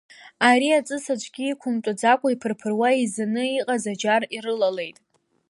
Ари аҵыс аӡәгьы иқәымтәаӡакәа иԥыр-ԥыруа еизаны иҟаз аџьар ирылалеит.